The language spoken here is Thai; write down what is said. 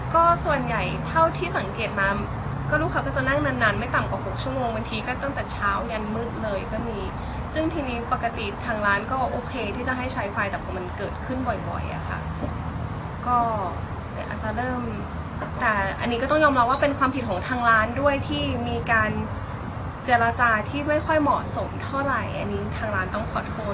ก็ส่วนใหญ่เท่าที่สังเกตมาก็ลูกค้าก็จะนั่งนานนานไม่ต่ำกว่าหกชั่วโมงบางทีก็ตั้งแต่เช้ายันมืดเลยก็มีซึ่งทีนี้ปกติทางร้านก็โอเคที่จะให้ใช้ไฟแต่พอมันเกิดขึ้นบ่อยบ่อยอะค่ะก็อาจจะเริ่มแต่อันนี้ก็ต้องยอมรับว่าเป็นความผิดของทางร้านด้วยที่มีการเจรจาที่ไม่ค่อยเหมาะสมเท่าไหร่อันนี้ทางร้านต้องขอโทษ